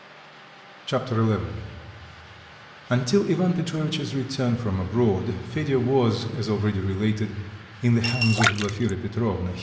Chapter XI Until Ivan Petrovitch's return from abroad, Fedya was, as already related, in the hands of Glafira Petrovna.